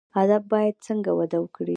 ادب باید څنګه وده وکړي؟